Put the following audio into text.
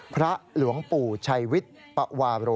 พระหลวงปู่ชัยวิทธิ์ปวาโบร